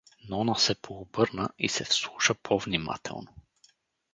Нона се пообърна и се вслуша по-внимателно.